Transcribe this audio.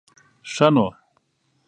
ښه نو.